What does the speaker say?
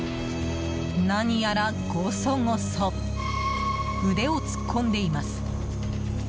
何やらゴソゴソ腕を突っ込んでいます。